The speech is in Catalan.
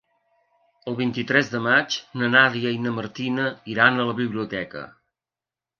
El vint-i-tres de maig na Nàdia i na Martina iran a la biblioteca.